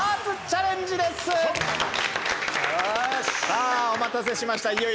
さあお待たせしました。